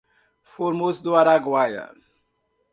Formoso do Araguaia